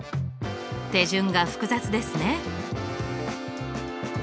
手順が複雑ですね。